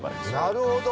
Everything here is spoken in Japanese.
なるほど。